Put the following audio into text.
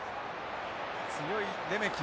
強いレメキ。